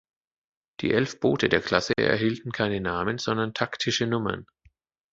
Die elf Boote der Klasse erhielten keine Namen, sondern taktische Nummern.